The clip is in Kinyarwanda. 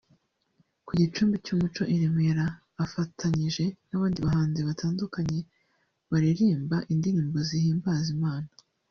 Ku Gicumbi cy’umuco i Remera afatanyije n’abandi bahanzi batandukanye baririmba indirimbozihimbaza Imana